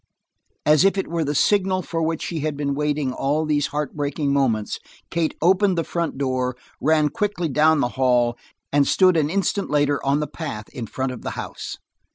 As if it were the signal for which she had been waiting all these heartbreaking moments, Kate opened the front door, ran quickly down the hall, and stood an instant later on the path in front of the house.